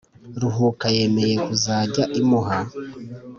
Ruhuka yemeye kuzajya imuha